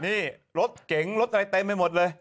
นี่รถเก๋งรถอะไรเต็มไปหมดเลย